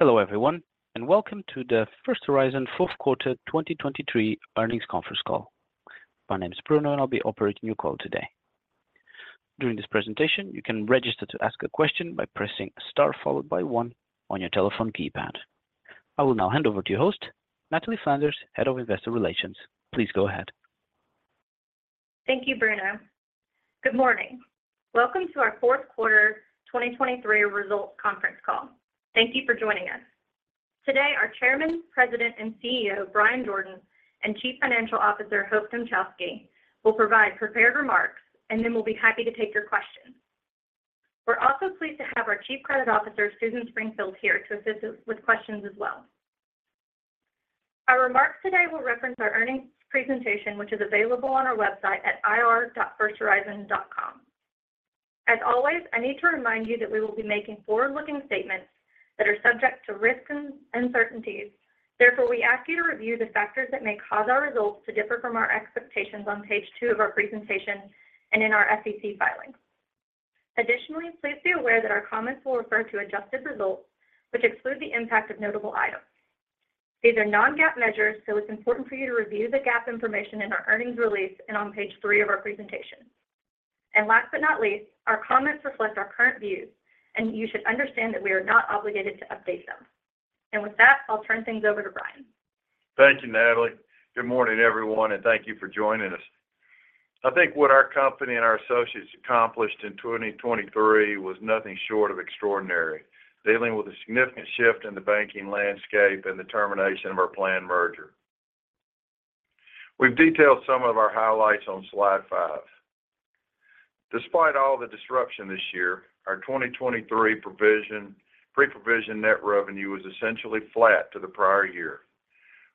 Hello, everyone, and welcome to the First Horizon fourth quarter 2023 earnings conference call. My name is Bruno, and I'll be operating your call today. During this presentation, you can register to ask a question by pressing star followed by 1 on your telephone keypad. I will now hand over to your host, Natalie Flanders, Head of Investor Relations. Please go ahead. Thank you, Bruno. Good morning. Welcome to our fourth quarter 2023 results conference call. Thank you for joining us. Today, our Chairman, President, and CEO, Bryan Jordan, and Chief Financial Officer, Hope Dmuchowski, will provide prepared remarks, and then we'll be happy to take your questions. We're also pleased to have our Chief Credit Officer, Susan Springfield, here to assist us with questions as well. Our remarks today will reference our earnings presentation, which is available on our website at ir.firsthorizon.com. As always, I need to remind you that we will be making forward-looking statements that are subject to risks and uncertainties. Therefore, we ask you to review the factors that may cause our results to differ from our expectations on page 2 of our presentation and in our SEC filings. Additionally, please be aware that our comments will refer to adjusted results, which exclude the impact of notable items. These are non-GAAP measures, so it's important for you to review the GAAP information in our earnings release and on page three of our presentation. Last but not least, our comments reflect our current views, and you should understand that we are not obligated to update them. With that, I'll turn things over to Bryan. Thank you, Natalie. Good morning, everyone, and thank you for joining us. I think what our company and our associates accomplished in 2023 was nothing short of extraordinary, dealing with a significant shift in the banking landscape and the termination of our planned merger. We've detailed some of our highlights on slide five. Despite all the disruption this year, our 2023 pre-provision net revenue was essentially flat to the prior year.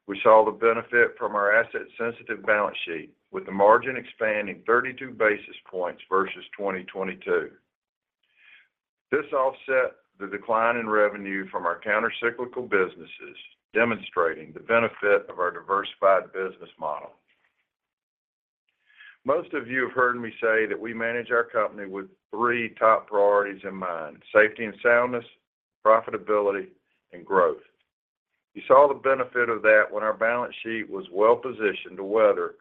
We saw the benefit from our asset-sensitive balance sheet, with the margin expanding 32 basis points versus 2022. This offset the decline in revenue from our countercyclical businesses, demonstrating the benefit of our diversified business model. Most of you have heard me say that we manage our company with three top priorities in mind: safety and soundness, profitability, and growth. You saw the benefit of that when our balance sheet was well-positioned to weather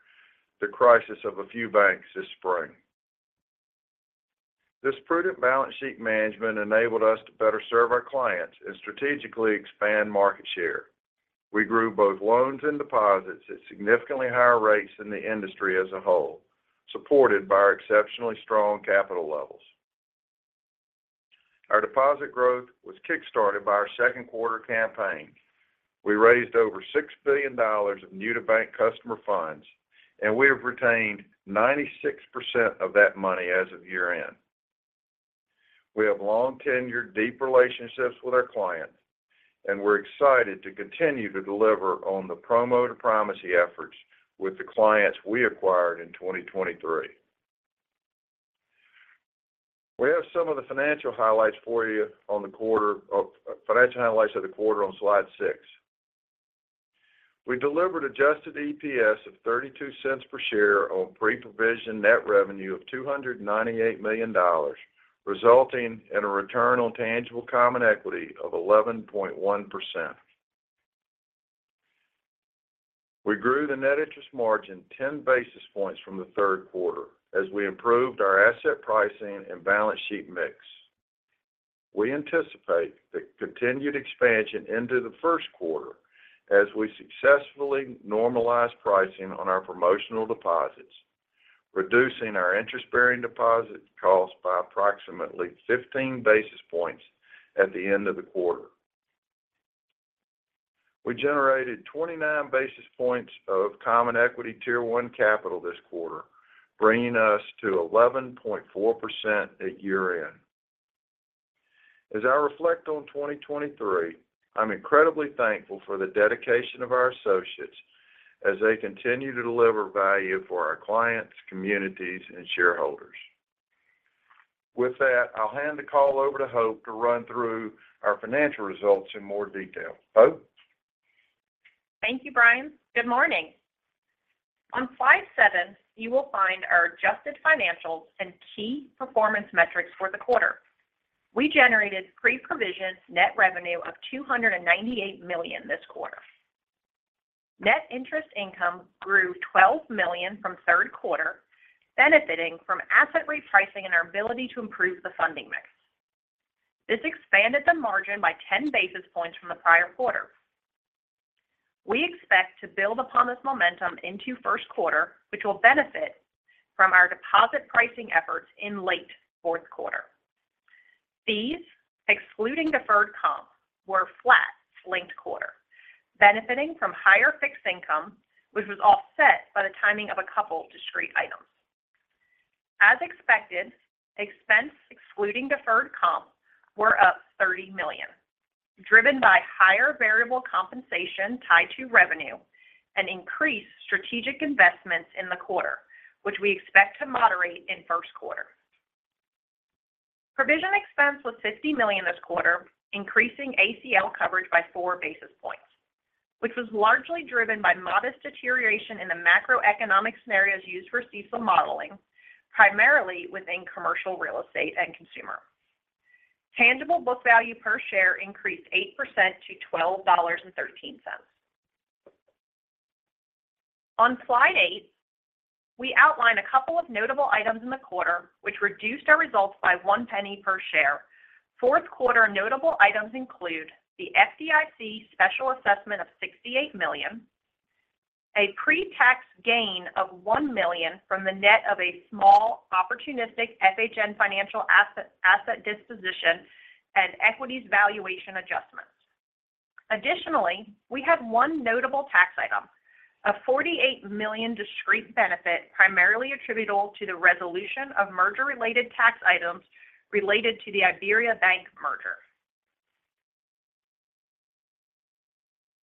the crisis of a few banks this spring. This prudent balance sheet management enabled us to better serve our clients and strategically expand market share. We grew both loans and deposits at significantly higher rates than the industry as a whole, supported by our exceptionally strong capital levels. Our deposit growth was kickstarted by our second quarter campaign. We raised over $6 billion of new-to-bank customer funds, and we have retained 96% of that money as of year-end. We have long-tenured, deep relationships with our clients, and we're excited to continue to deliver on the promo-to-primacy efforts with the clients we acquired in 2023. We have some of the financial highlights for you. Financial highlights of the quarter on slide six. We delivered adjusted EPS of $0.32 per share on pre-provision net revenue of $298 million, resulting in a return on tangible common equity of 11.1%. We grew the net interest margin 10 basis points from the third quarter as we improved our asset pricing and balance sheet mix. We anticipate the continued expansion into the first quarter as we successfully normalize pricing on our promotional deposits, reducing our interest-bearing deposit costs by approximately 15 basis points at the end of the quarter. We generated 29 basis points of Common Equity Tier 1 capital this quarter, bringing us to 11.4% at year-end. As I reflect on 2023, I'm incredibly thankful for the dedication of our associates as they continue to deliver value for our clients, communities, and shareholders. With that, I'll hand the call over to Hope to run through our financial results in more detail. Hope? Thank you, Bryan. Good morning. On slide seven, you will find our adjusted financials and key performance metrics for the quarter. We generated pre-provision net revenue of $298 million this quarter. Net interest income grew $12 million from third quarter, benefiting from asset repricing and our ability to improve the funding mix. This expanded the margin by 10 basis points from the prior quarter. We expect to build upon this momentum into first quarter, which will benefit from our deposit pricing efforts in late fourth quarter. Fees, excluding deferred comp, were flat linked quarter, benefiting from higher fixed income, which was offset by the timing of a couple discrete items. As expected, expense excluding deferred comp were up $30 million, driven by higher variable compensation tied to revenue and increased strategic investments in the quarter, which we expect to moderate in first quarter. Provision expense was $50 million this quarter, increasing ACL coverage by 4 basis points. which was largely driven by modest deterioration in the macroeconomic scenarios used for CECL modeling, primarily within commercial real estate and consumer. Tangible book value per share increased 8% to $12.13. On slide eight, we outline a couple of notable items in the quarter, which reduced our results by $0.01 per share. Fourth quarter notable items include the FDIC special assessment of $68 million, a pre-tax gain of $1 million from the net of a small opportunistic FHN Financial asset, asset disposition, and equities valuation adjustments. Additionally, we had one notable tax item, a $48 million discrete benefit, primarily attributable to the resolution of merger-related tax items related to the IBERIABANK merger.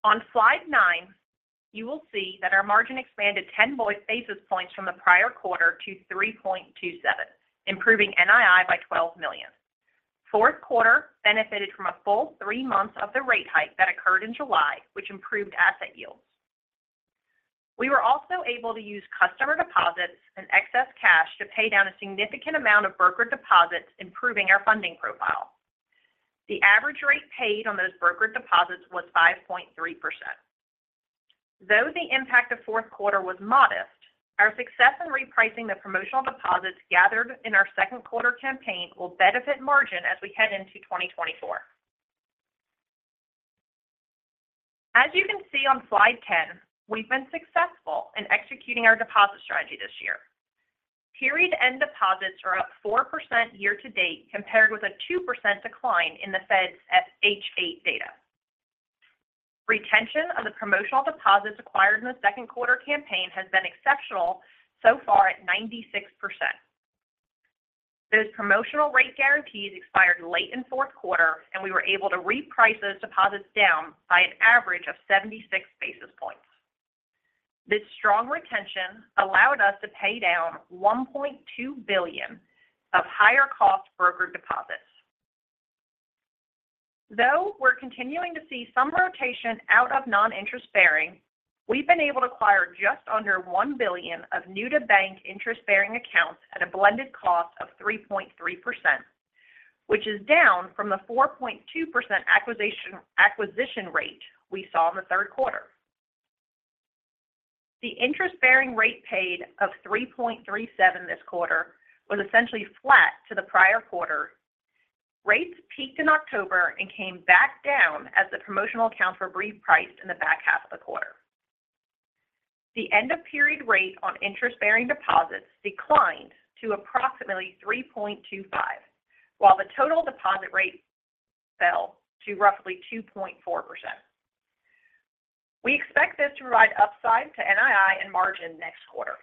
On slide nine, you will see that our margin expanded 10 basis points from the prior quarter to 3.27, improving NII by $12 million. Fourth quarter benefited from a full three months of the rate hike that occurred in July, which improved asset yields. We were also able to use customer deposits and excess cash to pay down a significant amount of broker deposits, improving our funding profile. The average rate paid on those broker deposits was 5.3%. Though the impact of fourth quarter was modest, our success in repricing the promotional deposits gathered in our second quarter campaign will benefit margin as we head into 2024. As you can see on slide 10, we've been successful in executing our deposit strategy this year. Period-end deposits are up 4% year-to-date, compared with a 2% decline in the Fed's FH8 data. Retention of the promotional deposits acquired in the second quarter campaign has been exceptional so far at 96%. Those promotional rate guarantees expired late in fourth quarter, and we were able to reprice those deposits down by an average of 76 basis points. This strong retention allowed us to pay down $1.2 billion of higher cost broker deposits. Though we're continuing to see some rotation out of non-interest bearing, we've been able to acquire just under $1 billion of new to bank interest bearing accounts at a blended cost of 3.3%, which is down from the 4.2% acquisition, acquisition rate we saw in the third quarter. The interest-bearing rate paid of 3.37 this quarter was essentially flat to the prior quarter. Rates peaked in October and came back down as the promotional accounts were repriced in the back half of the quarter. The end of period rate on interest-bearing deposits declined to approximately 3.25, while the total deposit rate fell to roughly 2.4%. We expect this to provide upside to NII and margin next quarter.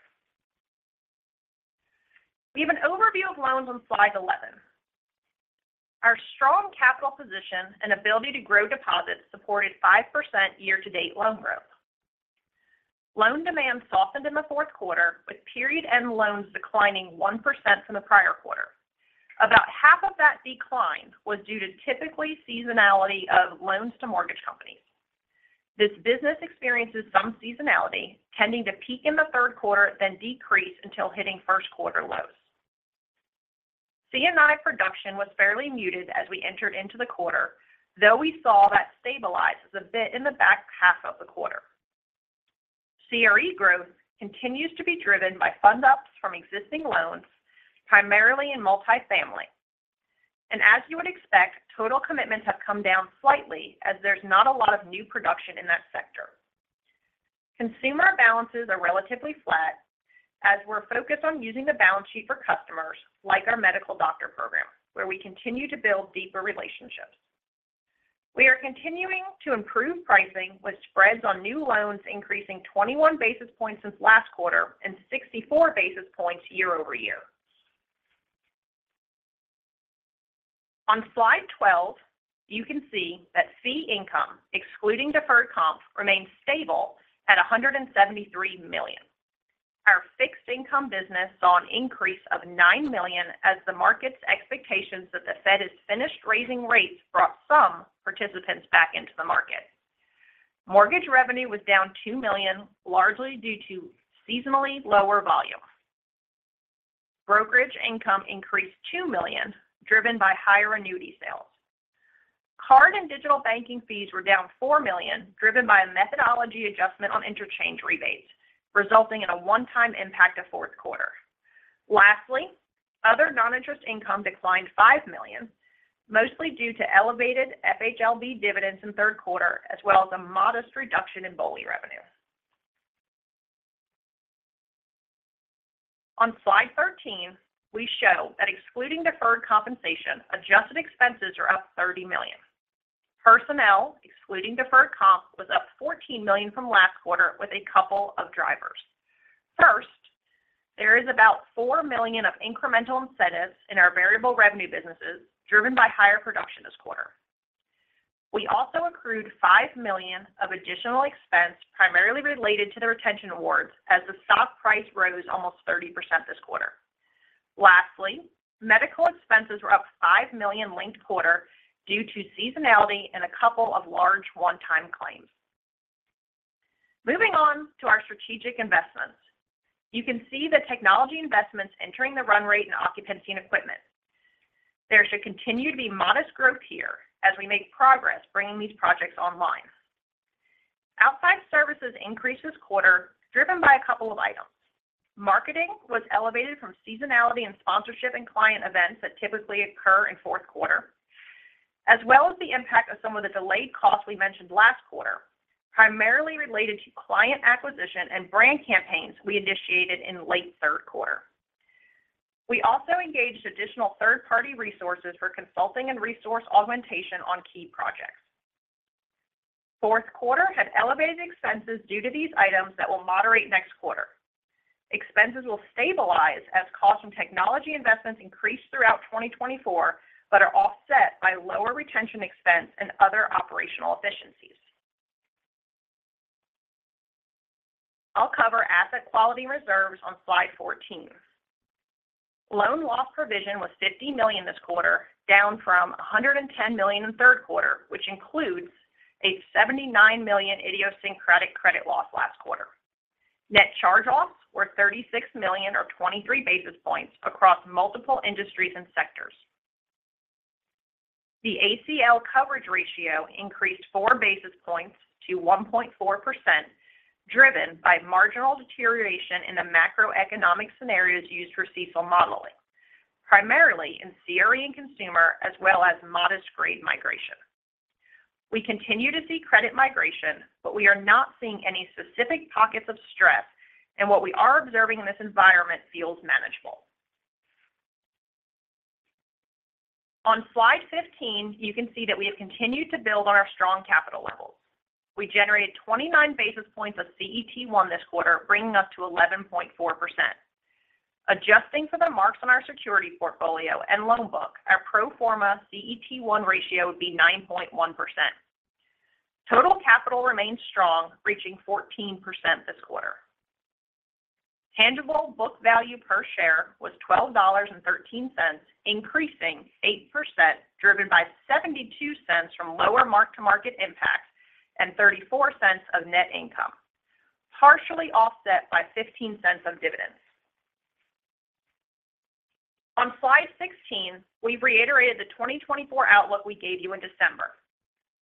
We have an overview of loans on slide 11. Our strong capital position and ability to grow deposits supported 5% year-to-date loan growth. Loan demand softened in the fourth quarter, with period-end loans declining 1% from the prior quarter. About half of that decline was due to typical seasonality of loans to mortgage companies. This business experiences some seasonality, tending to peak in the third quarter, then decrease until hitting first quarter lows. C&I production was fairly muted as we entered into the quarter, though we saw that stabilize a bit in the back half of the quarter. CRE growth continues to be driven by fund ups from existing loans, primarily in multifamily, and as you would expect, total commitments have come down slightly as there's not a lot of new production in that sector. Consumer balances are relatively flat as we're focused on using the balance sheet for customers, like our medical doctor program, where we continue to build deeper relationships. We are continuing to improve pricing, with spreads on new loans increasing 21 basis points since last quarter and 64 basis points year over year. On slide 12, you can see that fee income, excluding deferred comp, remains stable at $173 million. Our fixed income business saw an increase of $9 million as the market's expectations that the Fed has finished raising rates brought some participants back into the market. Mortgage revenue was down $2 million, largely due to seasonally lower volumes. Brokerage income increased $2 million, driven by higher annuity sales. Card and digital banking fees were down $4 million, driven by a methodology adjustment on interchange rebates, resulting in a one-time impact of fourth quarter. Lastly, other non-interest income declined $5 million, mostly due to elevated FHLB dividends in third quarter, as well as a modest reduction in BOLI revenue. On slide 13, we show that excluding deferred compensation, adjusted expenses are up $30 million. Personnel, excluding deferred comp, was up $14 million from last quarter with a couple of drivers. First, there is about $4 million of incremental incentives in our variable revenue businesses, driven by higher production this quarter. We also accrued $5 million of additional expense, primarily related to the retention awards, as the stock price rose almost 30% this quarter. Lastly, medical expenses were up $5 million linked quarter due to seasonality and a couple of large one-time claims. Moving on to our strategic investments. You can see the technology investments entering the run rate in occupancy and equipment. There should continue to be modest growth here as we make progress bringing these projects online. Outside services increased this quarter, driven by a couple of items. Marketing was elevated from seasonality and sponsorship and client events that typically occur in fourth quarter, as well as the impact of some of the delayed costs we mentioned last quarter, primarily related to client acquisition and brand campaigns we initiated in late third quarter. We also engaged additional third-party resources for consulting and resource augmentation on key projects. Fourth quarter had elevated expenses due to these items that will moderate next quarter. Expenses will stabilize as costs from technology investments increase throughout 2024, but are offset by lower retention expense and other operational efficiencies. I'll cover asset quality and reserves on slide 14. Loan loss provision was $50 million this quarter, down from $110 million in third quarter, which includes a $79 million idiosyncratic credit loss last quarter. Net charge-offs were $36 million or 23 basis points across multiple industries and sectors. The ACL coverage ratio increased 4 basis points to 1.4%, driven by marginal deterioration in the macroeconomic scenarios used for CECL modeling, primarily in CRE and consumer, as well as modest grade migration. We continue to see credit migration, but we are not seeing any specific pockets of stress, and what we are observing in this environment feels manageable. On slide 15, you can see that we have continued to build on our strong capital levels. We generated 29 basis points of CET1 this quarter, bringing us to 11.4%. Adjusting for the marks on our security portfolio and loan book, our pro forma CET1 ratio would be 9.1%. Total capital remains strong, reaching 14% this quarter. Tangible book value per share was $12.13, increasing 8%, driven by $0.72 from lower mark-to-market impact and $0.34 of net income, partially offset by $0.15 of dividends. On slide 16, we've reiterated the 2024 outlook we gave you in December.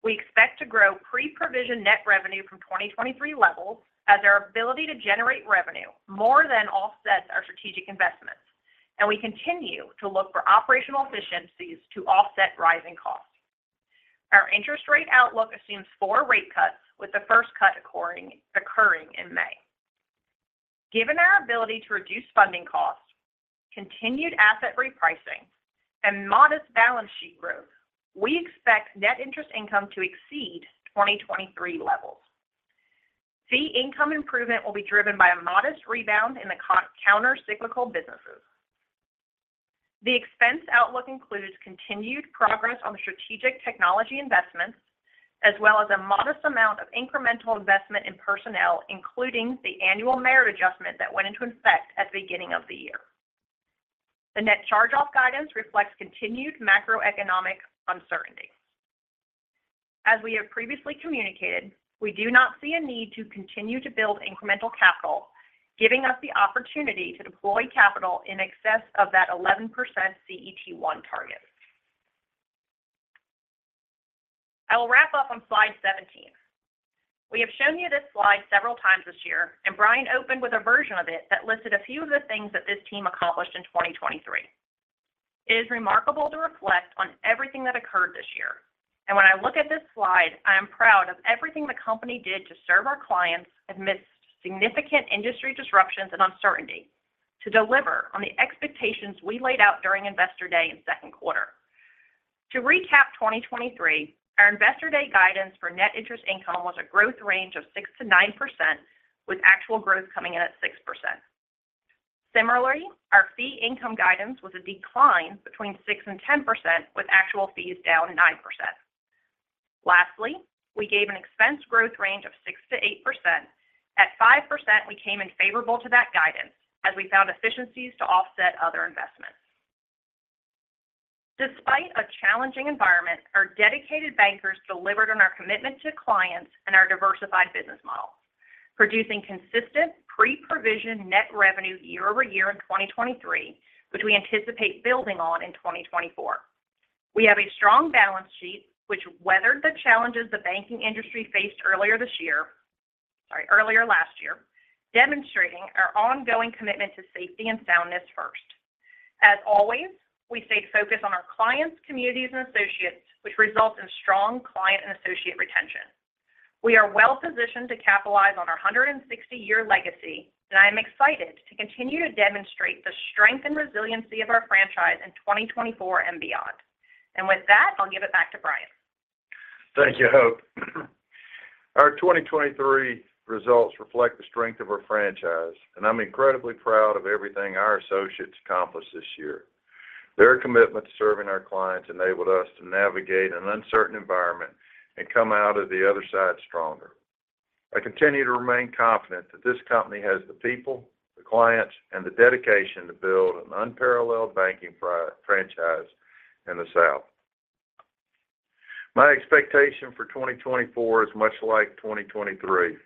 We expect to grow pre-provision net revenue from 2023 levels as our ability to generate revenue more than offsets our strategic investments, and we continue to look for operational efficiencies to offset rising costs. Our interest rate outlook assumes 4 rate cuts, with the first cut occurring in May. Given our ability to reduce funding costs, continued asset repricing, and modest balance sheet growth, we expect net interest income to exceed 2023 levels. Fee income improvement will be driven by a modest rebound in the countercyclical businesses. The expense outlook includes continued progress on the strategic technology investments, as well as a modest amount of incremental investment in personnel, including the annual merit adjustment that went into effect at the beginning of the year. The net charge-off guidance reflects continued macroeconomic uncertainty. As we have previously communicated, we do not see a need to continue to build incremental capital, giving us the opportunity to deploy capital in excess of that 11% CET1 target. I will wrap up on slide 17. We have shown you this slide several times this year, and Bryan opened with a version of it that listed a few of the things that this team accomplished in 2023. It is remarkable to reflect on everything that occurred this year, and when I look at this slide, I am proud of everything the company did to serve our clients amidst significant industry disruptions and uncertainty, to deliver on the expectations we laid out during Investor Day in second quarter. To recap 2023, our Investor Day guidance for net interest income was a growth range of 6%-9%, with actual growth coming in at 6%. Similarly, our fee income guidance was a decline between 6% and 10%, with actual fees down 9%. Lastly, we gave an expense growth range of 6%-8%. At 5%, we came in favorable to that guidance as we found efficiencies to offset other investments. Despite a challenging environment, our dedicated bankers delivered on our commitment to clients and our diversified business models, producing consistent pre-provision net revenue year-over-year in 2023, which we anticipate building on in 2024. We have a strong balance sheet, which weathered the challenges the banking industry faced earlier this year, sorry, earlier last year, demonstrating our ongoing commitment to safety and soundness first. As always, we stay focused on our clients, communities, and associates, which results in strong client and associate retention. We are well-positioned to capitalize on our 160-year legacy, and I am excited to continue to demonstrate the strength and resiliency of our franchise in 2024 and beyond. And with that, I'll give it back to Bryan. Thank you, Hope. Our 2023 results reflect the strength of our franchise, and I'm incredibly proud of everything our associates accomplished this year. Their commitment to serving our clients enabled us to navigate an uncertain environment and come out of the other side stronger. I continue to remain confident that this company has the people, the clients, and the dedication to build an unparalleled banking franchise in the South. My expectation for 2024 is much like 2023.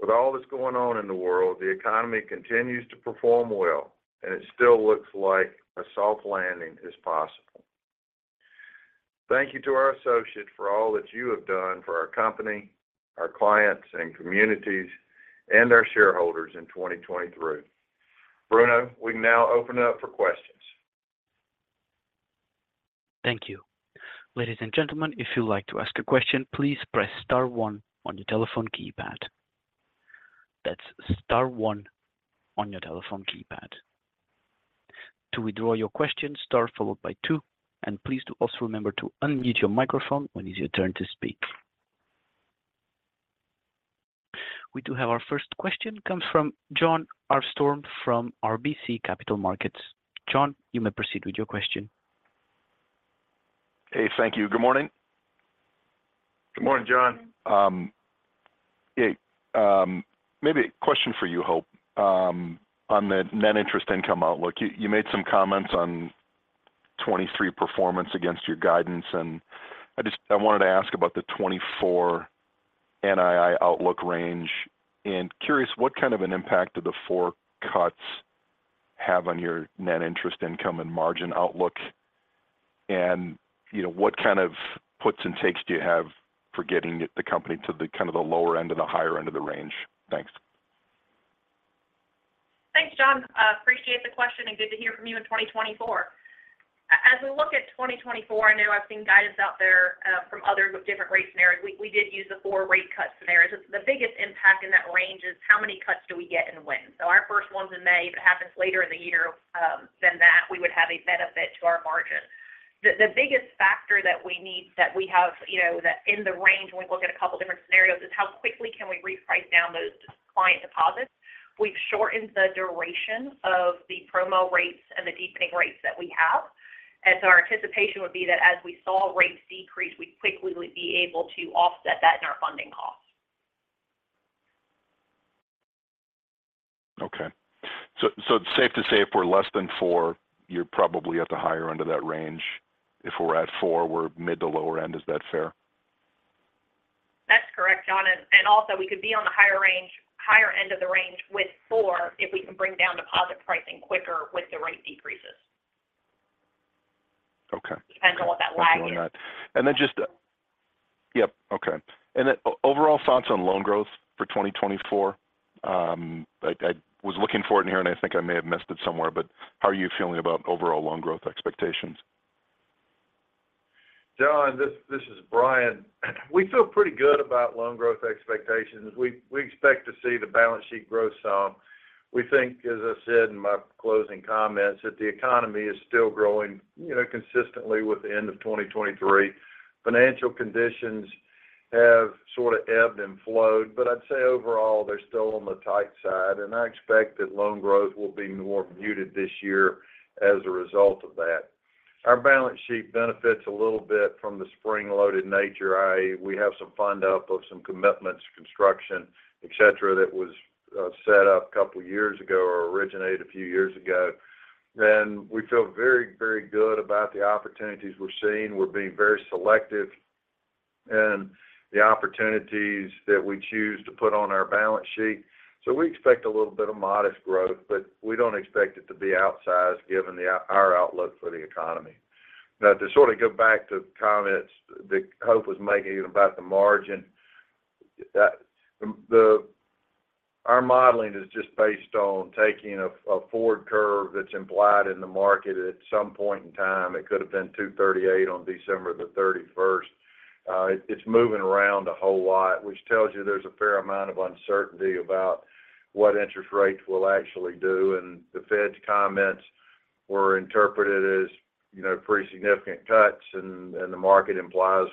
With all that's going on in the world, the economy continues to perform well, and it still looks like a soft landing is possible. Thank you to our associates for all that you have done for our company, our clients and communities, and our shareholders in 2023. Bruno, we now open it up for questions. Thank you. Ladies and gentlemen, if you'd like to ask a question, please press star one on your telephone keypad. That's star one on your telephone keypad. To withdraw your question, star followed by two, and please do also remember to unmute your microphone when it's your turn to speak. We do have our first question, which comes from Jon Arfstrom from RBC Capital Markets. Jon, you may proceed with your question. Hey, thank you. Good morning? Good morning, Jon. Hey, maybe a question for you, Hope. On the net interest income outlook, you made some comments on 2023 performance against your guidance, and I just wanted to ask about the 2024 NII outlook range. And curious, what kind of an impact do the 4 cuts have on your net interest income and margin outlook? And, you know, what kind of puts and takes do you have for getting the company to the kind of the lower end of the higher end of the range? Thanks. Thanks, Jon. Appreciate the question, and good to hear from you in 2024. As we look at 2024, I know I've seen guidance out there from others with different rate scenarios. We did use the four rate cut scenarios. The biggest impact in that range is how many cuts do we get and when. So our first one's in May. If it happens later in the year than that, we would have a benefit to our margin. The biggest factor that we need, that we have, you know, that in the range when we look at a couple different scenarios, is how quickly can we reprice down those client deposits? We've shortened the duration of the promo rates and the deepening rates that we have. And so our anticipation would be that as we saw rates decrease, we'd quickly be able to offset that in our funding costs. Okay. So, it's safe to say if we're less than four, you're probably at the higher end of that range. If we're at four, we're mid to lower end. Is that fair? That's correct, Jon. And also we could be on the higher range, higher end of the range with 4 if we can bring down deposit pricing quicker with the rate decreases. Okay. Depends on what that lag is. Overall thoughts on loan growth for 2024? I was looking for it in here, and I think I may have missed it somewhere, but how are you feeling about overall loan growth expectations? Jon, this is Bryan. We feel pretty good about loan growth expectations. We expect to see the balance sheet grow some. We think, as I said in my closing comments, that the economy is still growing, you know, consistently with the end of 2023. Financial conditions have sort of ebbed and flowed, but I'd say overall, they're still on the tight side, and I expect that loan growth will be more muted this year as a result of that. Our balance sheet benefits a little bit from the spring-loaded nature, i.e., we have some fund up of some commitments, construction, et cetera, that was set up a couple years ago or originated a few years ago. And we feel very, very good about the opportunities we're seeing. We're being very selective in the opportunities that we choose to put on our balance sheet. So we expect a little bit of modest growth, but we don't expect it to be outsized given our outlook for the economy. Now, to sort of go back to the comments that Hope was making about the margin, our modeling is just based on taking a forward curve that's implied in the market at some point in time. It could have been 2.38 on December the thirty-first. It's moving around a whole lot, which tells you there's a fair amount of uncertainty about what interest rates will actually do, and the Fed's comments were interpreted as, you know, pretty significant cuts, and the market implies...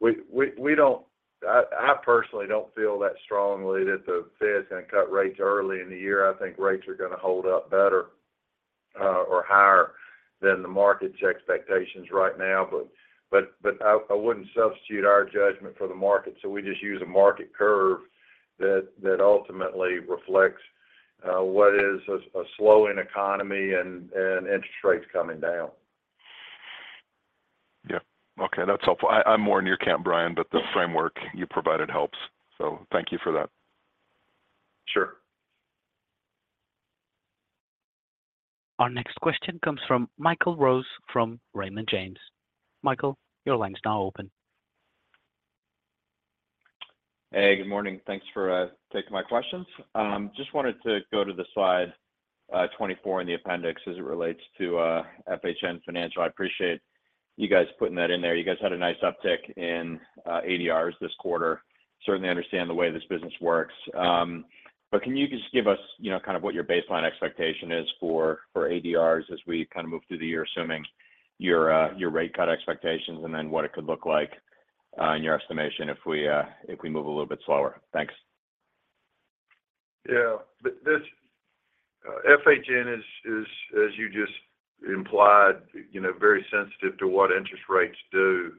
We don't, I personally don't feel that strongly that the Fed's going to cut rates early in the year. I think rates are going to hold up better, or higher than the market's expectations right now. But, I wouldn't substitute our judgment for the market, so we just use a market curve that ultimately reflects what is a slowing economy and interest rates coming down. Yeah. Okay, that's helpful. I, I'm more in your camp, Bryan, but the framework you provided helps, so thank you for that. Sure. Our next question comes from Michael Rose, from Raymond James. Michael, your line is now open. Hey, good morning. Thanks for taking my questions. Just wanted to go to the slide 24 in the appendix as it relates to FHN Financial. I appreciate you guys putting that in there. You guys had a nice uptick in ADRs this quarter. Certainly understand the way this business works. But can you just give us, you know, kind of what your baseline expectation is for ADRs as we kind of move through the year, assuming your rate cut expectations, and then what it could look like in your estimation, if we move a little bit slower? Thanks. Yeah, but this, FHN is, as you just implied, you know, very sensitive to what interest rates do.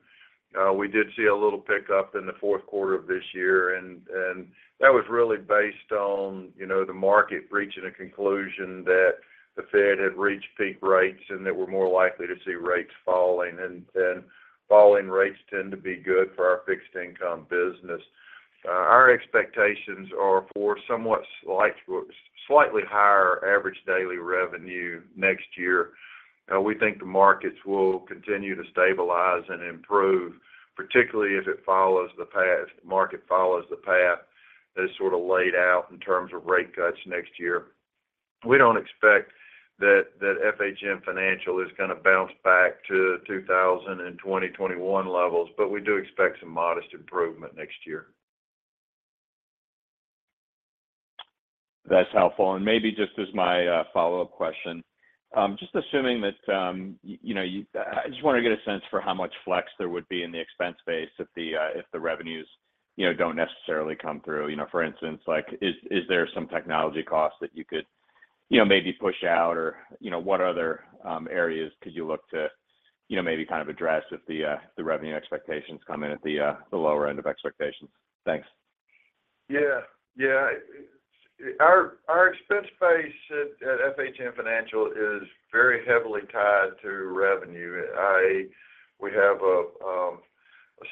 We did see a little pickup in the fourth quarter of this year, and that was really based on, you know, the market reaching a conclusion that the Fed had reached peak rates and that we're more likely to see rates falling, and then falling rates tend to be good for our fixed income business. Our expectations are for somewhat slight, slightly higher average daily revenue next year. We think the markets will continue to stabilize and improve, particularly if it follows the path, market follows the path that is sort of laid out in terms of rate cuts next year. We don't expect that FHN Financial is going to bounce back to 2020, 2021 levels, but we do expect some modest improvement next year. That's helpful, and maybe just as my follow-up question. Just assuming that, you know, I just want to get a sense for how much flex there would be in the expense base if the, if the revenues, you know, don't necessarily come through. You know, for instance, like, is, is there some technology costs that you could, you know, maybe push out or, you know, what other, areas could you look to, you know, maybe kind of address if the, the revenue expectations come in at the, the lower end of expectations? Thanks. Yeah. Yeah. Our expense base at FHN Financial is very heavily tied to revenue, i.e., we have a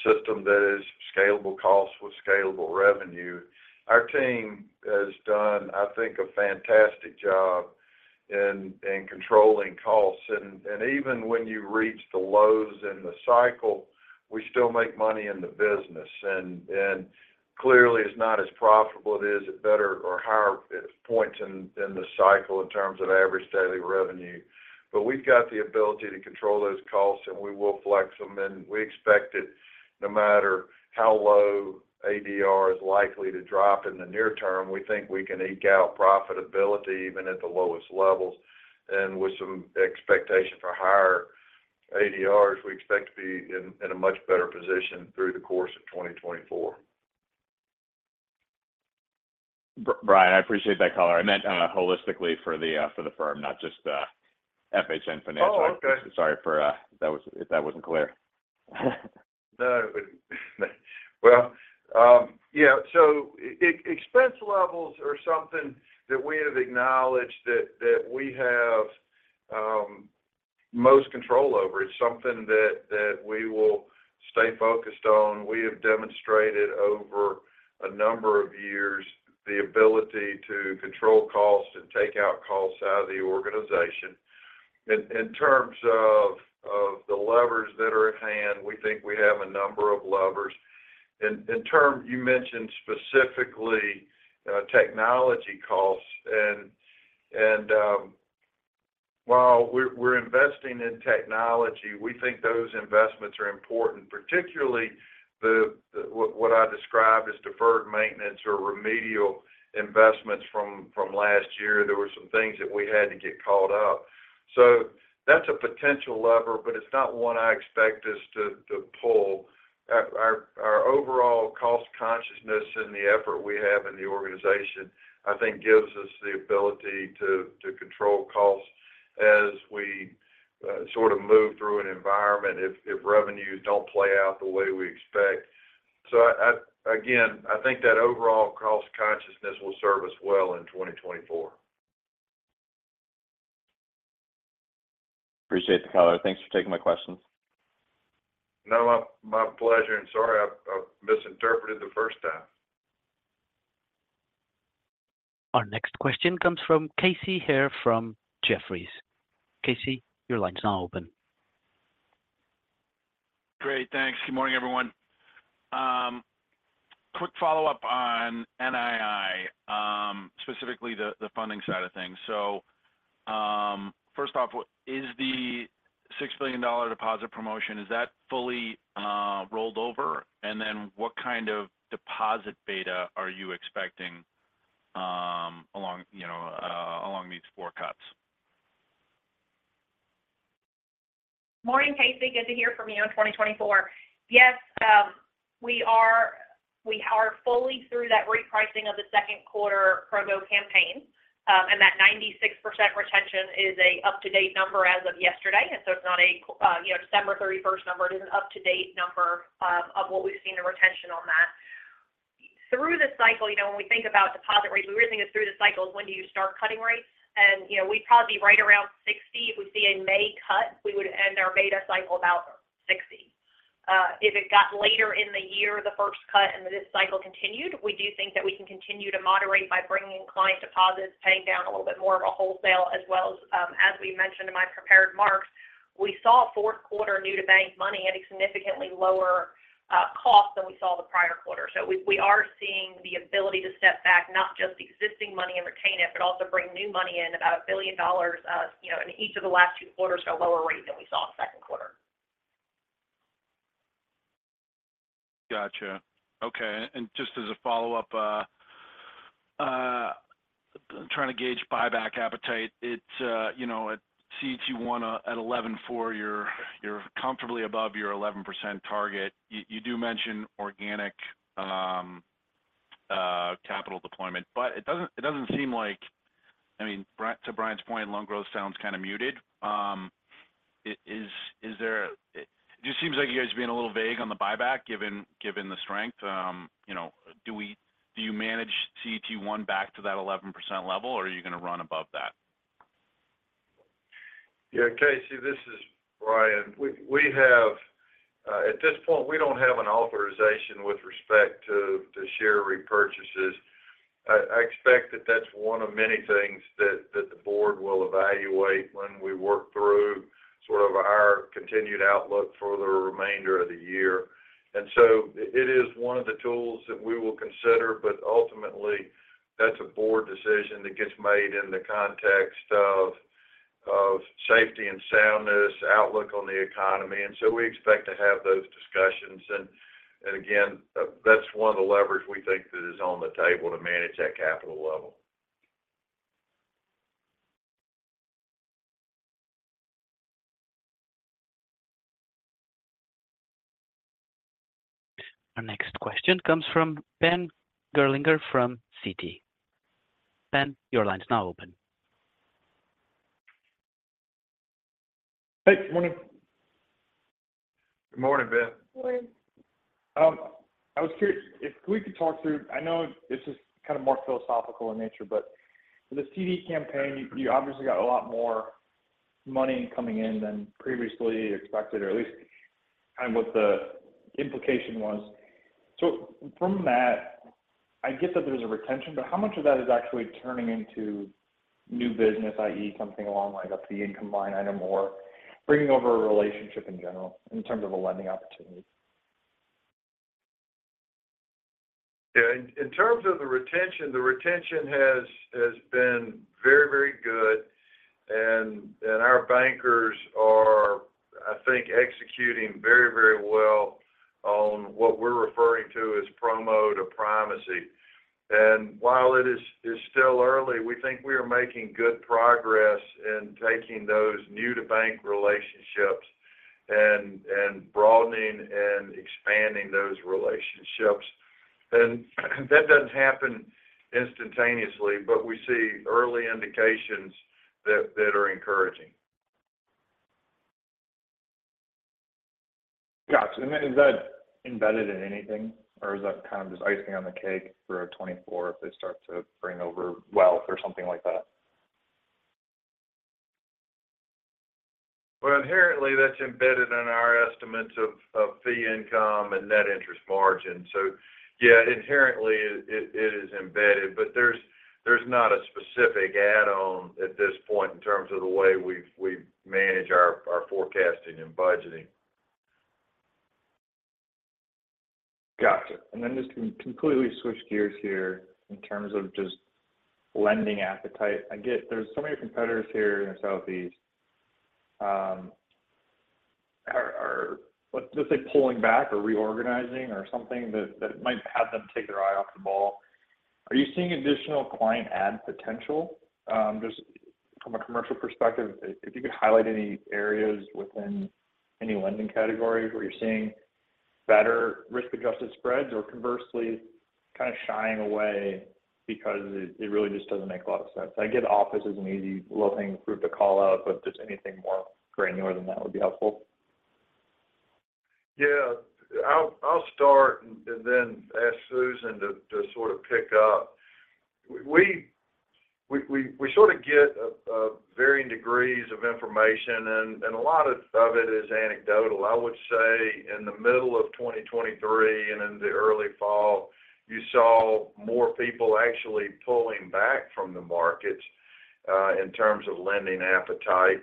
system that is scalable cost with scalable revenue. Our team has done, I think, a fantastic job in controlling costs, and even when you reach the lows in the cycle, we still make money in the business. And clearly, it's not as profitable as it is at better or higher points in the cycle in terms of average daily revenue. But we've got the ability to control those costs, and we will flex them, and we expect it no matter how low ADR is likely to drop in the near term, we think we can eke out profitability even at the lowest levels. With some expectation for higher ADRs, we expect to be in a much better position through the course of 2024. Bryan, I appreciate that color. I meant holistically for the firm, not just the FHN Financial. Oh, okay. Sorry for, if that wasn't clear. No. Well, yeah, so expense levels are something that we have acknowledged that we have most control over. It's something that we will stay focused on. We have demonstrated over a number of years the ability to control costs and take out costs out of the organization. In terms of the levers that are at hand, we think we have a number of levers. In terms, you mentioned specifically technology costs, and while we're investing in technology, we think those investments are important, particularly the what I describe as deferred maintenance or remedial investments from last year. There were some things that we had to get caught up. So that's a potential lever, but it's not one I expect us to pull. Our overall cost consciousness and the effort we have in the organization, I think gives us the ability to control costs as we sort of move through an environment if revenues don't play out the way we expect. So I, again, I think that overall cost consciousness will serve us well in 2024. Appreciate the color. Thanks for taking my questions. No, my pleasure, and sorry, I misinterpreted the first time. Our next question comes from Casey Haire from Jefferies. Casey, your line is now open. Great, thanks. Good morning, everyone. Quick follow-up on NII, specifically the funding side of things. So, first off, is the $6 billion deposit promotion fully rolled over? And then what kind of deposit beta are you expecting along, you know, along these four cuts? Morning, Casey. Good to hear from you on 2024. Yes, we are, we are fully through that repricing of the second quarter promo campaign, and that 96% retention is an up-to-date number as of yesterday. And so it's not a, you know, December 31st number. It is an up-to-date number, of what we've seen the retention on that. Through the cycle, you know, when we think about deposit rates, we really think it's through the cycle is when do you start cutting rates? And, you know, we'd probably be right around 60. If we see a May cut, we would end our beta cycle about 60. If it got later in the year, the first cut and this cycle continued, we do think that we can continue to moderate by bringing in client deposits, paying down a little bit more of a wholesale, as well as, as we mentioned in my prepared remarks, we saw fourth quarter new to bank money at a significantly lower cost than we saw the prior quarter. So we are seeing the ability to step back, not just the existing money and retain it, but also bring new money in, about $1 billion, you know, in each of the last two quarters at a lower rate than we saw in the second quarter. Gotcha. Okay, and just as a follow-up, I'm trying to gauge buyback appetite. It, you know, at CET1, at 11.4%, you're comfortably above your 11% target. You do mention organic capital deployment, but it doesn't seem like, I mean, Bryan, to Bryan's point, loan growth sounds kind of muted. Is there- it just seems like you guys are being a little vague on the buyback, given the strength. You know, do you manage CET1 back to that 11% level, or are you going to run above that? Yeah, Casey, this is Bryan. We, we have, at this point, we don't have an authorization with respect to, to share repurchases. I, I expect that that's one of many things that, that the board will evaluate when we work through sort of our continued outlook for the remainder of the year. And so it is one of the tools that we will consider, but ultimately, that's a board decision that gets made in the context of, of safety and soundness, outlook on the economy. And so we expect to have those discussions. And, and again, that's one of the levers we think that is on the table to manage that capital level. Our next question comes from Ben Gerlinger from Citi. Ben, your line is now open. Hey, good morning. Good morning, Ben. Good morning. I was curious if we could talk through, I know this is kind of more philosophical in nature, but for the CD campaign, you obviously got a lot more money coming in than previously expected, or at least kind of what the implication was. So, from that, I get that there's a retention, but how much of that is actually turning into new business, i.e., something along like a fee income line item or bringing over a relationship in general in terms of a lending opportunity? Yeah, in terms of the retention, the retention has been very good, and our bankers are, I think, executing very well on what we're referring to as promo to primacy. While it is still early, we think we are making good progress in taking those new to bank relationships and broadening and expanding those relationships. That doesn't happen instantaneously, but we see early indications that are encouraging. Got you. And is that embedded in anything, or is that kind of just icing on the cake for a 24 if they start to bring over wealth or something like that? Well, inherently, that's embedded in our estimates of fee income and net interest margin. So yeah, inherently, it is embedded, but there's not a specific add-on at this point in terms of the way we manage our forecasting and budgeting. Gotcha. Then just to completely switch gears here in terms of just lending appetite. I get there's so many competitors here in the Southeast, are let's just say, pulling back or reorganizing or something that might have them take their eye off the ball. Are you seeing additional client add potential? Just from a commercial perspective, if you could highlight any areas within any lending categories where you're seeing better risk-adjusted spreads, or conversely, kind of shying away because it really just doesn't make a lot of sense. I get office is an easy little thing for to call out, but just anything more granular than that would be helpful. Yeah. I'll start and then ask Susan to sort of pick up. We sort of get varying degrees of information, and a lot of it is anecdotal. I would say in the middle of 2023 and in the early fall, you saw more people actually pulling back from the markets in terms of lending appetite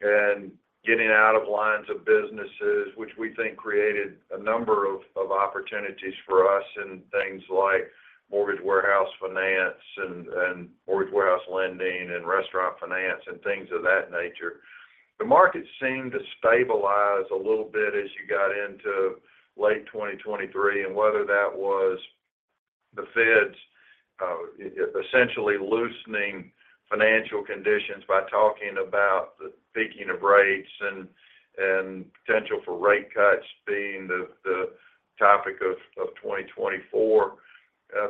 and getting out of lines of businesses, which we think created a number of opportunities for us in things like mortgage warehouse finance and mortgage warehouse lending and restaurant finance and things of that nature. The market seemed to stabilize a little bit as you got into late 2023, and whether that was the Feds essentially loosening financial conditions by talking about the peaking of rates and potential for rate cuts being the topic of 2024.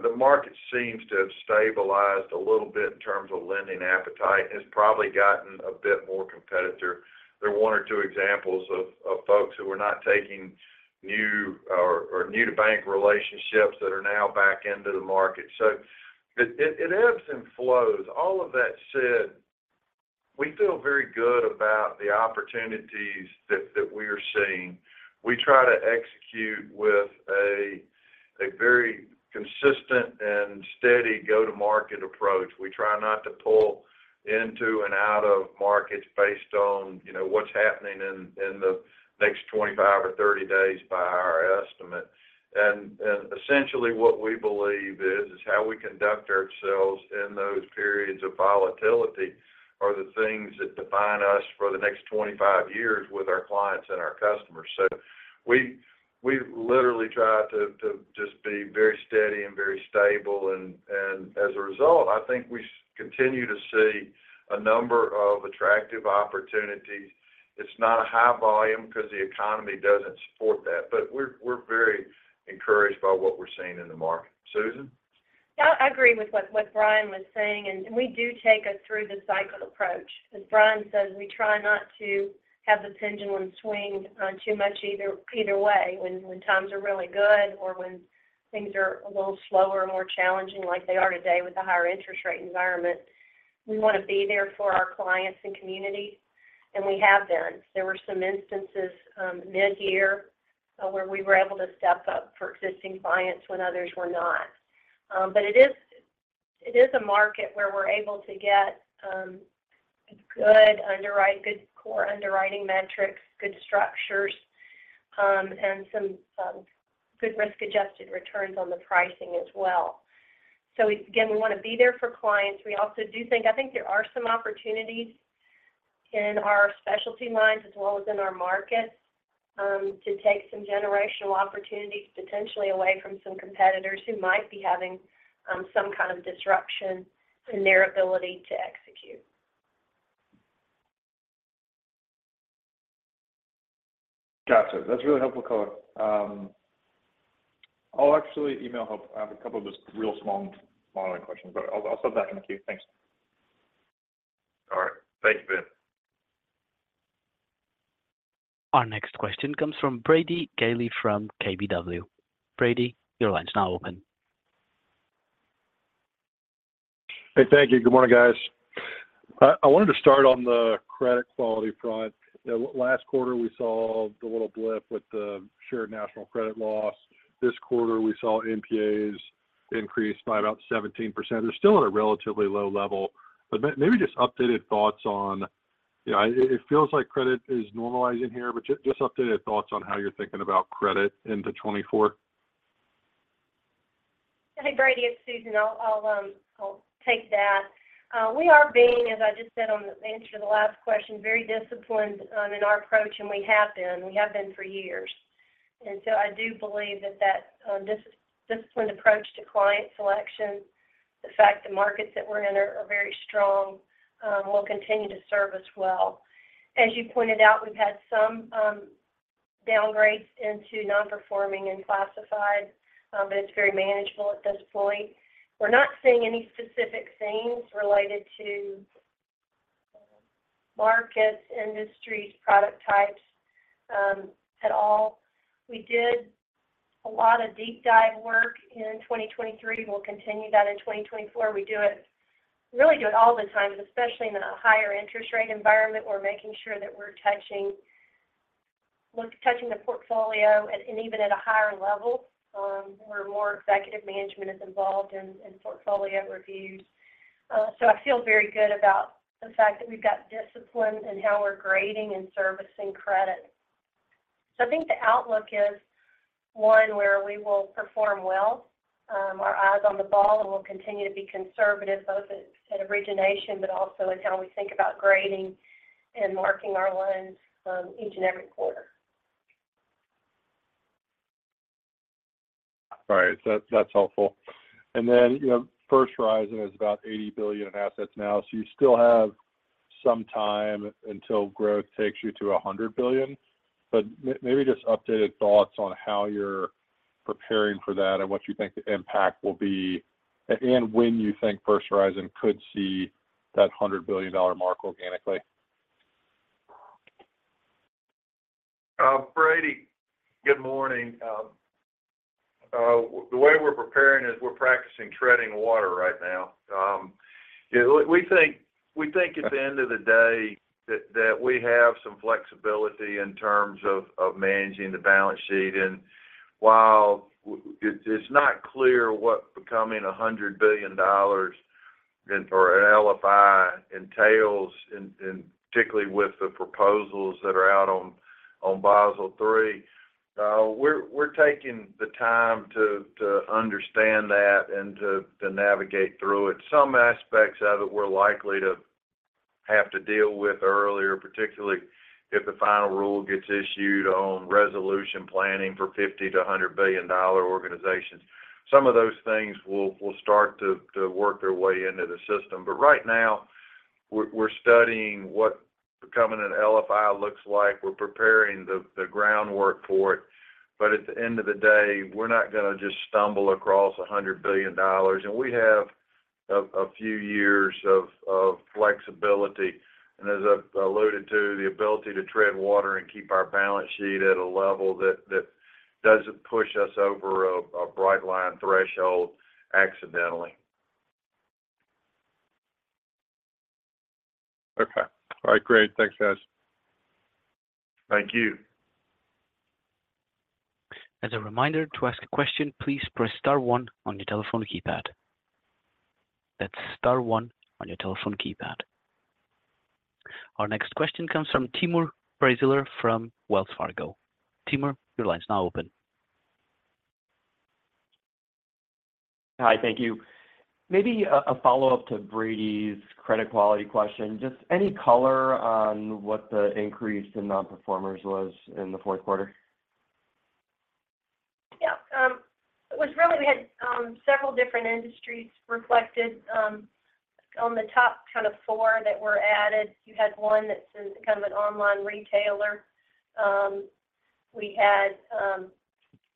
The market seems to have stabilized a little bit in terms of lending appetite and has probably gotten a bit more competitive. There are one or two examples of folks who were not taking new or new-to-bank relationships that are now back into the market. So it ebbs and flows. All of that said, we feel very good about the opportunities that we are seeing. We try to execute with a very consistent and steady go-to-market approach. We try not to pull in and out of markets based on, you know, what's happening in the next 25 days or 30 days by our estimate. And essentially what we believe is how we conduct ourselves in those periods of volatility are the things that define us for the next 25 years with our clients and our customers. So we literally try to just be very steady and very stable, and as a result, I think we continue to see a number of attractive opportunities. It's not a high volume because the economy doesn't support that, but we're very encouraged by what we're seeing in the market. Susan? Yeah, I agree with what Bryan was saying, and we do take a through the cycle approach. As Bryan says, we try not to have the pendulum swing too much either way. When times are really good or when things are a little slower and more challenging like they are today with the higher interest rate environment, we want to be there for our clients and community, and we have been. There were some instances mid-year where we were able to step up for existing clients when others were not. But it is a market where we're able to get good core underwriting metrics, good structures, and some good risk-adjusted returns on the pricing as well. So again, we want to be there for clients. We also do think there are some opportunities in our specialty lines as well as in our markets, to take some generational opportunities, potentially away from some competitors who might be having some kind of disruption in their ability to execute. Got it. That's really helpful color. I'll actually email help. I have a couple of just real small modeling questions, but I'll step back in the queue. Thanks. All right. Thank you, Ben. Our next question comes from Brady Gailey from KBW. Brady, your line is now open. Hey, thank you. Good morning, guys. I wanted to start on the credit quality front. Now, last quarter, we saw the little blip with the Shared National Credit loss. This quarter, we saw NPAs increase by about 17%. They're still at a relatively low level, but maybe just updated thoughts on, you know, it feels like credit is normalizing here, but just updated thoughts on how you're thinking about credit into 2024. Hey, Brady, it's Susan. I'll take that. We are being, as I just said on the answer to the last question, very disciplined in our approach, and we have been. We have been for years. And so I do believe that disciplined approach to client selection, the fact the markets that we're in are very strong will continue to serve us well. As you pointed out, we've had some downgrades into nonperforming and classified, but it's very manageable at this point. We're not seeing any specific themes related to markets, industries, product types at all. We did a lot of deep dive work in 2023. We'll continue that in 2024. We do it, really do it all the time, but especially in a higher interest rate environment, we're making sure that we're touching the portfolio and even at a higher level, where more executive management is involved in portfolio reviews. So I feel very good about the fact that we've got discipline in how we're grading and servicing credit. So I think the outlook is one where we will perform well, our eyes on the ball, and we'll continue to be conservative, both at origination, but also in how we think about grading and marking our loans, each and every quarter. All right. So that's helpful. Then, you know, First Horizon has about $80 billion in assets now, so you still have some time until growth takes you to $100 billion. But maybe just updated thoughts on how you're preparing for that and what you think the impact will be, and when you think First Horizon could see that $100 billion mark organically. Brady, good morning. The way we're preparing is we're practicing treading water right now. You know, we think at the end of the day that we have some flexibility in terms of managing the balance sheet, and while it's not clear what becoming $100 billion and for an LFI entails, and particularly with the proposals that are out on Basel III, we're taking the time to understand that and to navigate through it. Some aspects of it, we're likely to have to deal with earlier, particularly if the final rule gets issued on resolution planning for $50 billion to $100 billion organizations. Some of those things will start to work their way into the system. But right now, we're studying what becoming an LFI looks like. We're preparing the groundwork for it, but at the end of the day, we're not going to just stumble across $100 billion, and we have a few years of flexibility, and as I've alluded to, the ability to tread water and keep our balance sheet at a level that doesn't push us over a bright line threshold accidentally. Okay. All right, great. Thanks, guys. Thank you. As a reminder, to ask a question, please press star one on your telephone keypad. That's star one on your telephone keypad. Our next question comes from Timur Braziler from Wells Fargo. Timur, your line is now open. Hi, thank you. Maybe a follow-up to Brady's credit quality question. Just any color on what the increase in non-performers was in the fourth quarter? It was really, we had, several different industries reflected. On the top kind of four that were added, you had one that's in kind of an online retailer. We had,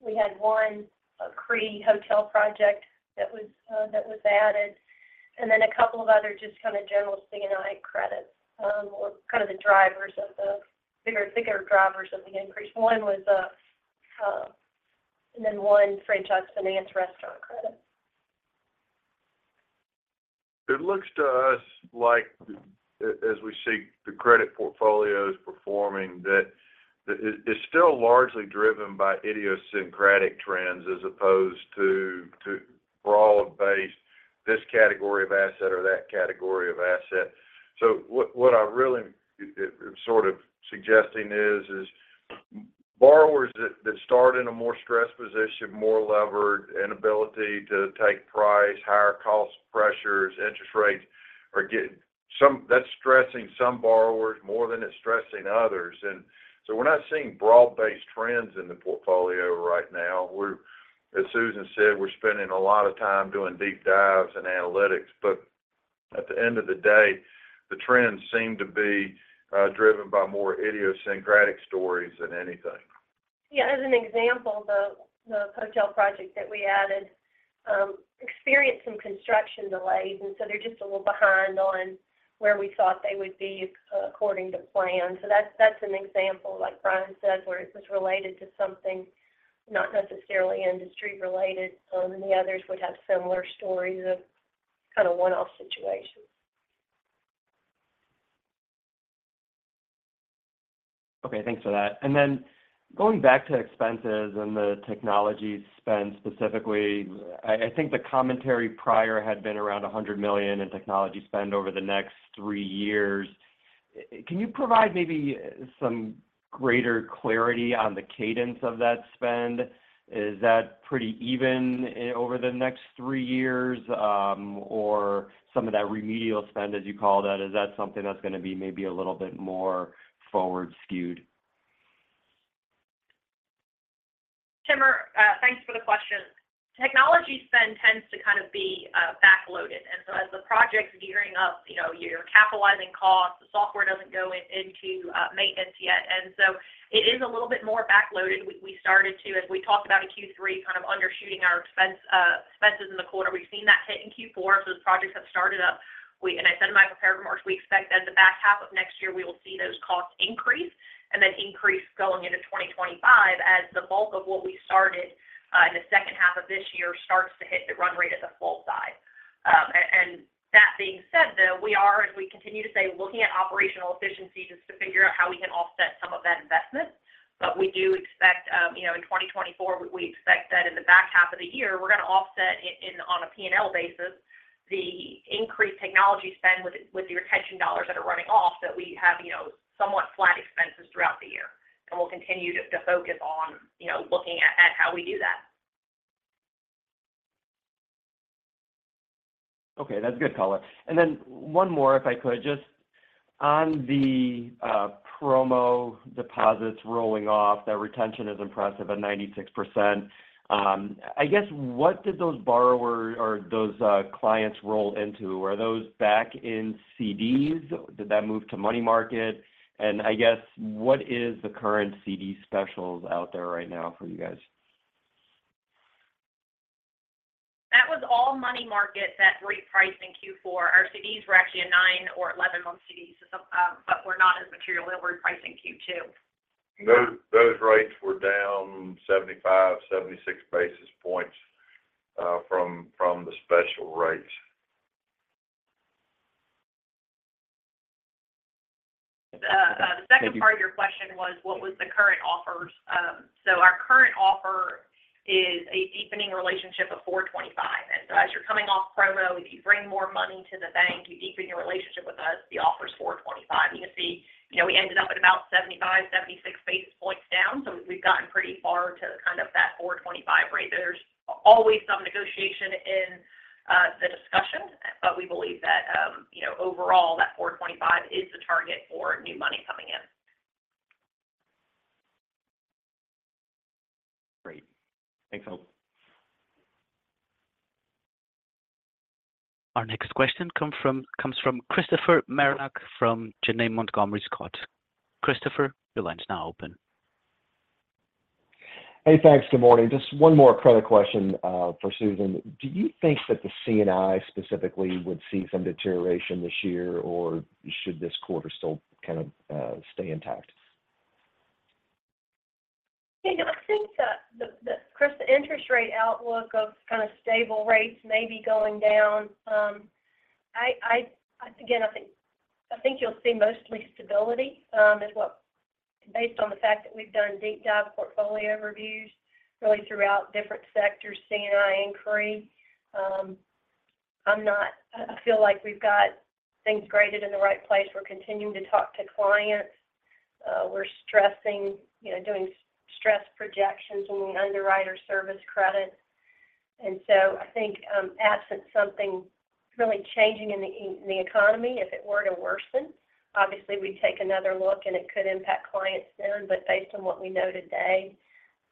we had one, a CRE hotel project that was, that was added, and then a couple of other just kind of general C&I credits, were kind of the drivers of the bigger, bigger drivers of the increase. One was, and then one franchise finance restaurant credit. It looks to us like, as we see the credit portfolios performing, that it’s still largely driven by idiosyncratic trends as opposed to broad-based this category of asset or that category of asset. So what I’m really sort of suggesting is borrowers that start in a more stressed position, more levered, inability to take price, higher cost pressures, interest rates are getting that’s stressing some borrowers more than it’s stressing others. And so we’re not seeing broad-based trends in the portfolio right now. As Susan said, we’re spending a lot of time doing deep dives and analytics, but at the end of the day, the trends seem to be driven by more idiosyncratic stories than anything. Yeah, as an example, the hotel project that we added experienced some construction delays, and so they're just a little behind on where we thought they would be according to plan. So that's an example, like Bryan said, where it was related to something not necessarily industry related. And the others would have similar stories of kind of one-off situations. Okay, thanks for that. Then going back to expenses and the technology spend specifically, I think the commentary prior had been around $100 million in technology spend over the next 3 years. Can you provide maybe some greater clarity on the cadence of that spend? Is that pretty even over the next 3 years, or some of that remedial spend, as you call that, is that something that's going to be maybe a little bit more forward skewed? Timur, thanks for the question. Technology spend tends to kind of be backloaded, and so as the project's gearing up, you know, you're capitalizing costs, the software doesn't go into maintenance yet, and so it is a little bit more backloaded. We started to, as we talked about in Q3, kind of undershooting our expenses in the quarter. We've seen that hit in Q4. So as projects have started up, and I said in my prepared remarks, we expect that in the back half of next year, we will see those costs increase and then increase going into 2025 as the bulk of what we started in the second half of this year starts to hit the run rate at the full size. And that being said, though, we are, as we continue to say, looking at operational efficiency just to figure out how we can offset some of that investment. But we do expect, you know, in 2024, we expect that in the back half of the year, we're going to offset it on a P&L basis, the increased technology spend with the retention dollars that are running off, that we have, you know, somewhat flat expenses throughout the year. And we'll continue to focus on, you know, looking at how we do that. Okay, that's a good color. And then one more, if I could, just on the promo deposits rolling off, that retention is impressive at 96%. I guess, what did those borrowers or those clients roll into? Were those back in CDs? Did that move to money market? And I guess, what is the current CD specials out there right now for you guys? That was all money market that repriced in Q4. Our CDs were actually a 9-month or 11-month CD, so, but were not as material that repriced in Q2. Those rates were down 75-76 basis points from the special rates. The- Thank you. The second part of your question was, what was the current offers? So our current offer is a deepening relationship of 4.25. And so as you're coming off promo, if you bring more money to the bank, you deepen your relationship with us, the offer is 4.25. You can see, you know, we ended up at about 75-76 basis points down, so we've gotten pretty far to kind of that 4.25 rate. There's always some negotiation in the discussion, but we believe that, you know, overall, that 4.25 is the target for new money coming in. Great. Thanks, Hope. Our next question comes from Christopher Marinac, from Janney Montgomery Scott. Christopher, your line's now open. Hey, thanks. Good morning. Just one more credit question for Susan. Do you think that the C&I specifically would see some deterioration this year, or should this quarter still kind of stay intact? Yeah, I think, Chris, the interest rate outlook of kind of stable rates may be going down. I, again, I think you'll see mostly stability, is what—based on the fact that we've done deep dive portfolio reviews really throughout different sectors, C&I and CRE. I feel like we've got things graded in the right place. We're continuing to talk to clients. We're stressing, you know, doing stress projections and underwriter service credits. And so I think, absent something-... really changing in the economy. If it were to worsen, obviously, we'd take another look, and it could impact clients then. But based on what we know today,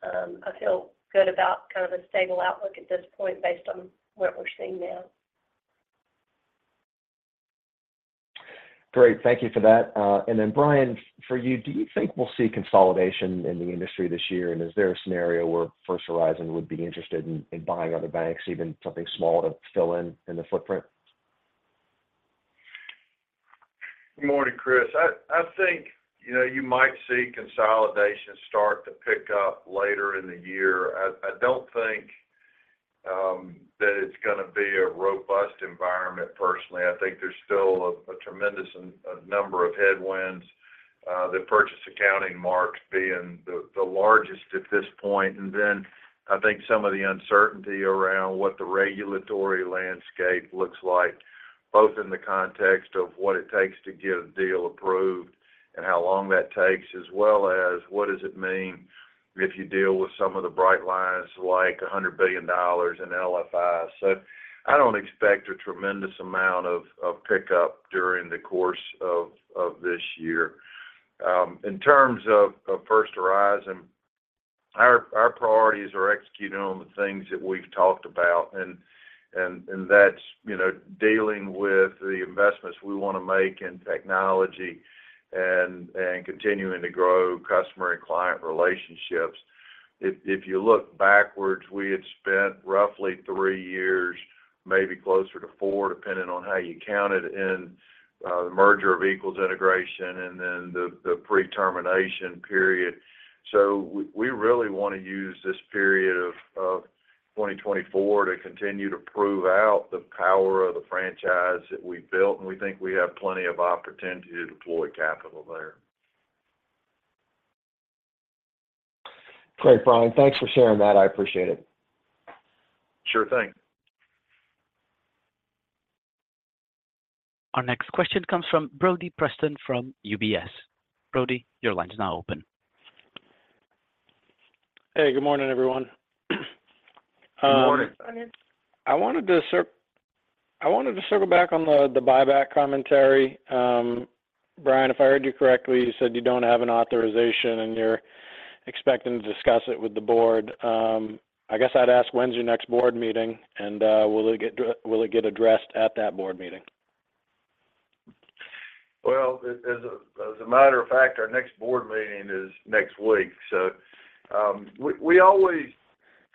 I feel good about kind of a stable outlook at this point based on what we're seeing now. Great. Thank you for that. And then, Bryan, for you, do you think we'll see consolidation in the industry this year? And is there a scenario where First Horizon would be interested in buying other banks, even something small, to fill in the footprint? Good morning, Chris. I think, you know, you might see consolidation start to pick up later in the year. I don't think that it's going to be a robust environment, personally. I think there's still a tremendous and a number of headwinds, the purchase accounting marks being the largest at this point. And then I think some of the uncertainty around what the regulatory landscape looks like, both in the context of what it takes to get a deal approved and how long that takes, as well as what does it mean if you deal with some of the bright lines, like $100 billion in LFI. So I don't expect a tremendous amount of pickup during the course of this year. In terms of First Horizon, our priorities are executing on the things that we've talked about, and that's, you know, dealing with the investments we want to make in technology and continuing to grow customer and client relationships. If you look backwards, we had spent roughly three years, maybe closer to four, depending on how you count it, in the merger of equals integration and then the pre-termination period. So we really want to use this period of 2024 to continue to prove out the power of the franchise that we built, and we think we have plenty of opportunity to deploy capital there. Great, Bryan. Thanks for sharing that. I appreciate it. Sure thing. Our next question comes from Brody Preston from UBS. Brody, your line is now open. Hey, good morning, everyone. Good morning. Good morning. I wanted to circle back on the buyback commentary. Bryan, if I heard you correctly, you said you don't have an authorization, and you're expecting to discuss it with the board. I guess I'd ask, when's your next board meeting? And will it get addressed at that board meeting? Well, as a matter of fact, our next board meeting is next week. So, we always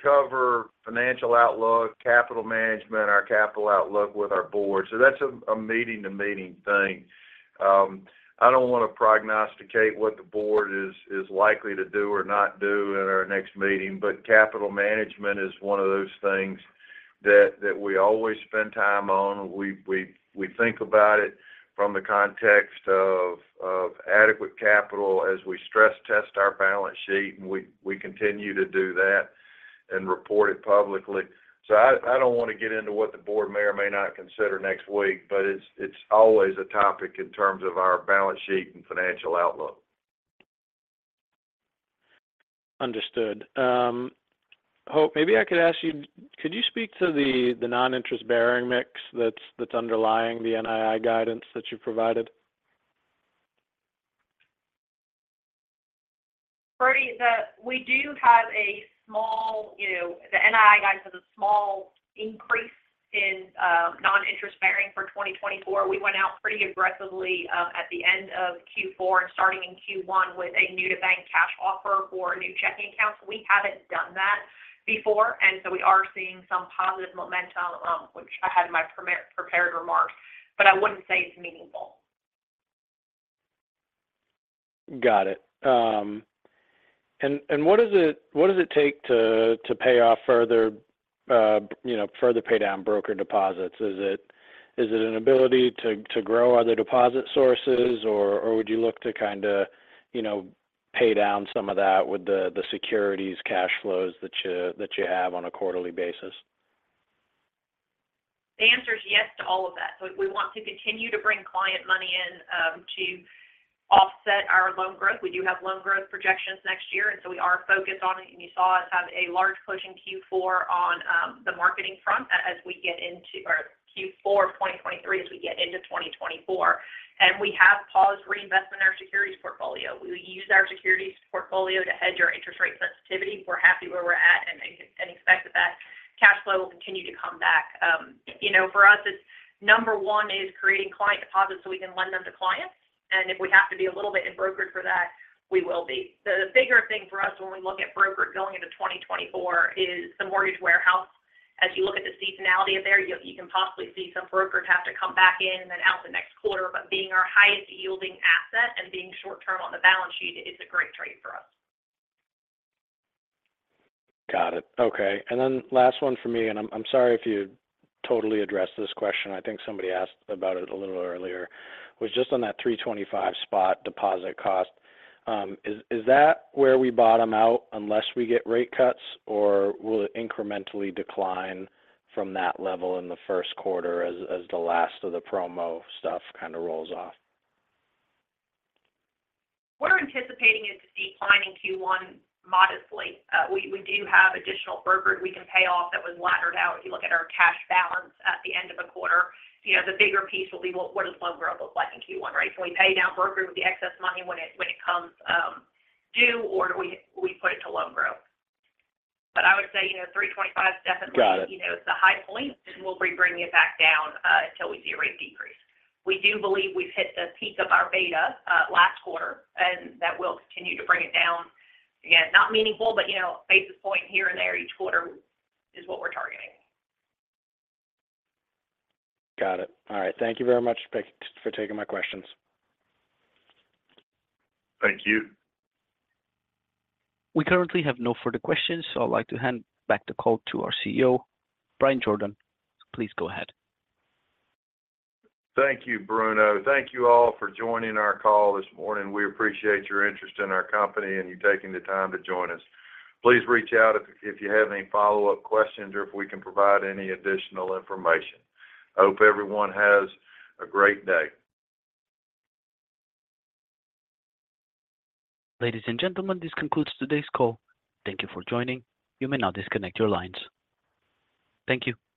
cover financial outlook, capital management, our capital outlook with our board, so that's a meeting-to-meeting thing. I don't want to prognosticate what the board is likely to do or not do in our next meeting, but capital management is one of those things that we always spend time on. We think about it from the context of adequate capital as we stress test our balance sheet, and we continue to do that and report it publicly. So, I don't want to get into what the board may or may not consider next week, but it's always a topic in terms of our balance sheet and financial outlook. Understood. Hope, maybe I could ask you, could you speak to the non-interest-bearing mix that's underlying the NII guidance that you provided? Brody, we do have a small, you know, the NII guidance is a small increase in non-interest bearing for 2024. We went out pretty aggressively at the end of Q4 and starting in Q1 with a new-to-bank cash offer for new checking accounts. We haven't done that before, and so we are seeing some positive momentum, which I had in my prepared remarks, but I wouldn't say it's meaningful. Got it. And what does it take to pay off further, you know, further pay down broker deposits? Is it an ability to grow other deposit sources, or would you look to kind of, you know, pay down some of that with the securities cash flows that you have on a quarterly basis? The answer is yes to all of that. We want to continue to bring client money in to offset our loan growth. We do have loan growth projections next year, and so we are focused on it. You saw us have a large push in Q4 on the marketing front as we get into our Q4 2023 as we get into 2024. We have paused reinvestment in our securities portfolio. We use our securities portfolio to hedge our interest rate sensitivity. We're happy where we're at and expect that cash flow will continue to come back. You know, for us, it's number one is creating client deposits so we can lend them to clients, and if we have to be a little bit in brokerage for that, we will be. The bigger thing for us when we look at brokerage going into 2024 is the mortgage warehouse. As you look at the seasonality of there, you can possibly see some brokerage have to come back in and then out the next quarter. But being our highest yielding asset and being short-term on the balance sheet is a great trade for us. Got it. Okay, and then last one for me, and I'm sorry if you totally addressed this question. I think somebody asked about it a little earlier, was just on that 3.25 spot deposit cost. Is that where we bottom out unless we get rate cuts, or will it incrementally decline from that level in the first quarter as the last of the promo stuff kind of rolls off? We're anticipating it to decline in Q1 modestly. We do have additional brokerage we can pay off that was laddered out. If you look at our cash balance at the end of the quarter, you know, the bigger piece will be what does loan growth look like in Q1, right? So we pay down brokerage with the excess money when it comes due, or do we put it to loan growth. But I would say, you know, 3.25 is definitely- Got it. you know, it's the high point, and we'll be bringing it back down, until we see a rate decrease. We do believe we've hit the peak of our beta, last quarter, and that will continue to bring it down. Again, not meaningful, but, you know, basis point here and there each quarter is what we're targeting. Got it. All right. Thank you very much for taking my questions. Thank you. We currently have no further questions, so I'd like to hand back the call to our CEO, Bryan Jordan. Please go ahead. Thank you, Bruno. Thank you all for joining our call this morning. We appreciate your interest in our company and you taking the time to join us. Please reach out if, if you have any follow-up questions or if we can provide any additional information. I hope everyone has a great day. Ladies and gentlemen, this concludes today's call. Thank you for joining. You may now disconnect your lines. Thank you.